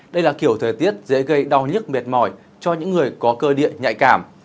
đây là kiểu thời tiết dễ gây đau nhức mệt mỏi cho những người có cơ địa nhạy cảm